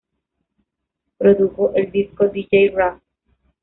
Produjo el disco Dj Raff.